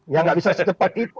ya nggak bisa secepat itu